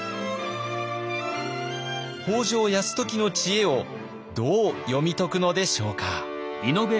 北条泰時の知恵をどう読み解くのでしょうか。